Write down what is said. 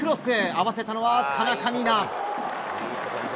合わせたのは田中美南。